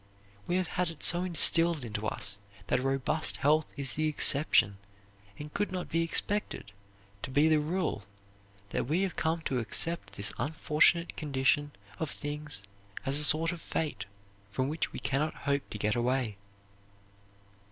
We have had it so instilled into us that robust health is the exception and could not be expected to be the rule that we have come to accept this unfortunate condition of things as a sort of fate from which we can not hope to get away.